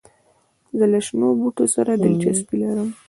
زه له شنو بوټو سره دلچسپي لرم.